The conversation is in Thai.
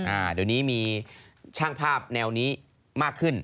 อ่าเดี๋ยวนี้มีช่างภาพแนวนี้มากขึ้น